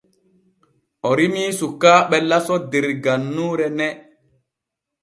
O rimii sukaaɓe laso der gannuure ne.